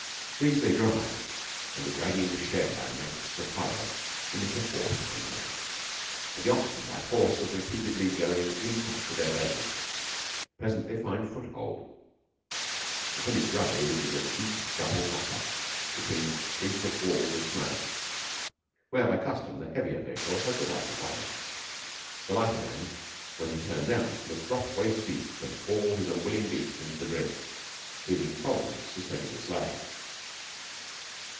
These they drive, and the dragging share makes a furrow in which a horse can walk, and the oxen, by force of repeatedly going in up to their bellies, presently find foothold. The finished road is a deep double gutter between three foot walls of snow, where, by custom, the heavier vehicle has the right of way. The lighter man when he turns out must drop waist deep and haul his unwilling beast into the drift, leaving Providence to steady the sleigh.